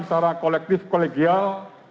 secara kolektif kolegial